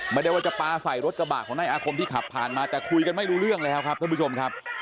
ไม่ได้ว่าจะปลาใส่รถกระบะของนายอาคมที่ขับผ่านมาแต่คุยกันไม่รู้เรื่องแล้วครับท่านผู้ชมครับ